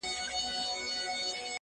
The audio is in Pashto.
په ټول ښار کي مي دښمن دا یو قصاب دی!